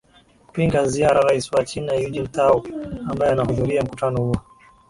kupinga ziara rais wa china eugine tao ambaye anahudhuria mkutano huo